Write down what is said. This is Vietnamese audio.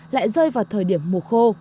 lại rơi vào thời điểm mùa khô